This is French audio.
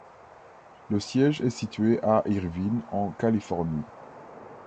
Le siège est situé à Irvine en Californie.